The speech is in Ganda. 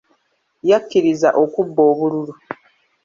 Yakkiriza okubba obululu.